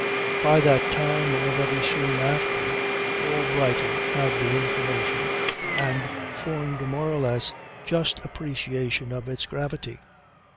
By that time, or very soon after, all Brighton had the information and formed a more or less just appreciation of its gravity.